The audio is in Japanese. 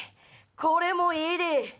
これもいいで！